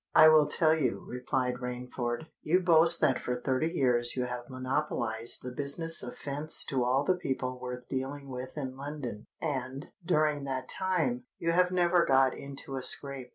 "I will tell you," replied Rainford. "You boast that for thirty years you have monopolised the business of fence to all the people worth dealing with in London; and, during that time, you have never got into a scrape.